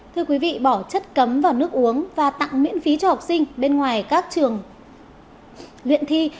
thưa quý vị bỏ chất cấm vào nước uống và tặng miễn phí cho học sinh bên ngoài các trường luyện thi